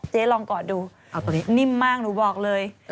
เจ๊ลองกอดดูนิ่มมากหนูบอกเลย